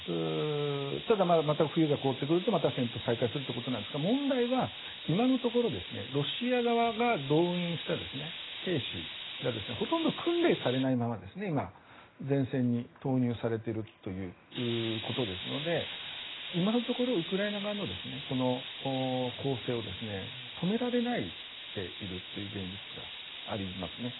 ただ、また冬で凍ってくるとまた戦闘を再開するということなんですが問題は今のところロシア側が動員した兵士がほとんど訓練されないまま今、前線に投入されているということなので今のところウクライナ側の攻勢を止められないでいるという現実がありますね。